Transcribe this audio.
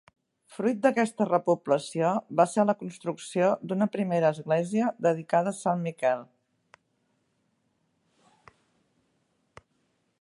Fruit d'aquesta repoblació, va ser la construcció d'una primera església dedicada a sant Miquel.